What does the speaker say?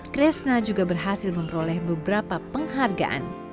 kresna juga berhasil memperoleh beberapa penghargaan